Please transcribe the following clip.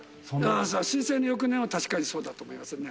震災の翌年は確かにそうだと思いますね。